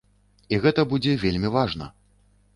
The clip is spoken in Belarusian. І гэта будзе вельмі важна!